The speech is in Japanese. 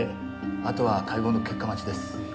あとは解剖の結果待ちです。